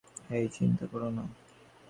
হেই, চিন্তা করো না।